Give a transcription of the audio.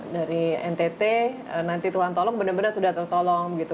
dari ntt nanti tuhan tolong benar benar sudah tertolong gitu